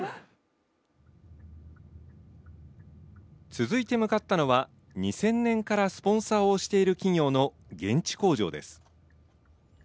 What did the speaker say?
続いて向かったのは、２０００年からスポンサーをしている企業の現地工場です。